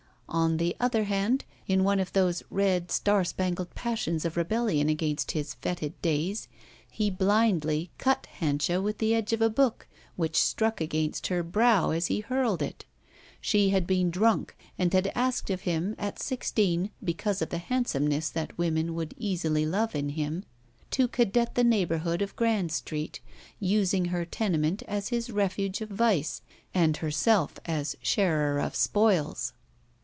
On the other hand, in one of those red star spangled passions of rebellion against his fetid days, he blindly cut Hanscha with the edge of a book which struck against her brow as he hurled it. She had been drunk and had asked of him, at sixteen, because of the handsomeness that women would easily love in him, to cadet the neighborhood of Grand Street, using her tenement as his refuge d vice and herself as sharer of spoils.